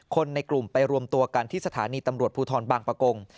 คนในกลุ่มไปรวมตัวกันที่สถานีตำรวจภูทรบางประกง